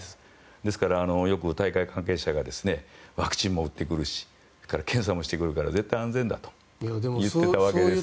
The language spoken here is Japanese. ですからよく大会関係者がワクチンも打ってくるしそれから検査もしてくるから絶対安全だと言ってたわけです。